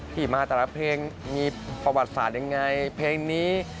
ที่มาแต่ละเพลงมีประวัติศาสตร์ยังไงเพลงนี้